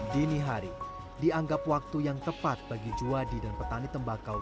dini hari dianggap waktu yang tepat bagi juwadi dan petani tembakau